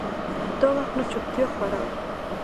دا وخت نو چوپتيا خوره وه.